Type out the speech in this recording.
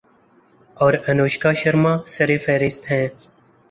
اور انوشکا شرما سرِ فہرست ہیں